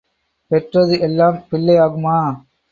பெற்றது எல்லாம் பிள்ளை ஆகுமா?